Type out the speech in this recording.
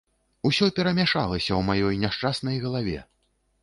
Усё перамяшалася ў маёй няшчаснай галаве.